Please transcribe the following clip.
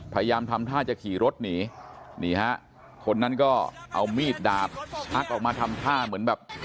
พยายามทำท่าจะขี่รถหนีนี่ฮะคนนั้นก็เอามีดดาบชักออกมาทำท่าเหมือนแบบ